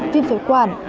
viêm phế quản